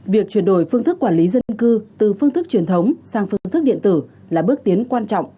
việc chuyển đổi phương thức quản lý dân cư từ phương thức truyền thống sang phương thức điện tử là bước tiến quan trọng